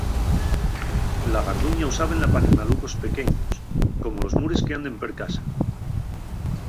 La garduña usábenla p'animalucos pequeños, como los mures qu'anden per casa.